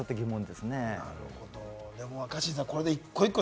でも若新さん、これで１個１個